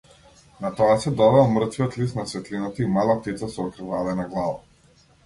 На тоа се додава мртвиот лист на светлината и мала птица со окрвавена глава.